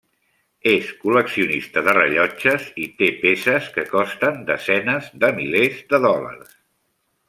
És col·leccionista de rellotges i té peces que costen desenes de milers de dòlars.